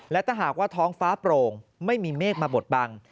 และถ้าหากว่าท้องฟ้าโปร่งไม่มีเมฆมาบดบัง